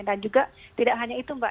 dan juga tidak hanya itu mbak